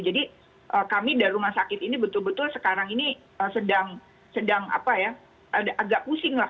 jadi kami dari rumah sakit ini betul betul sekarang ini sedang sedang apa ya agak pusing lah